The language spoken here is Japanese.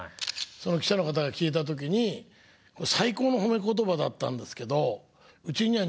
記者の方が聞いた時に最高の褒め言葉だったんですけどこれはね